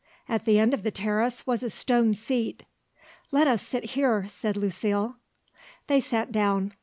At the end of the terrace was a stone seat. "Let us sit here," said Lucile. They sat down.